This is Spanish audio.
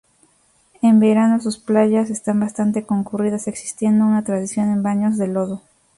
En verano sus playas están bastante concurridas, existiendo una tradición en baños de lodo.